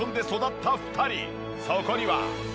そこには。